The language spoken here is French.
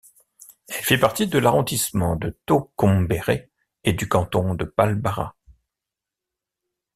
Elle fait partie de l'arrondissement de Tokombéré et du canton de Palbara.